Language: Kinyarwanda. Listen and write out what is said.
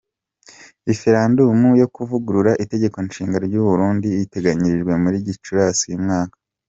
Referendum yo kuvugurura Itegeko Nshinga ry’u Burundi iteganyijwe muri Gicurasi uyu mwaka.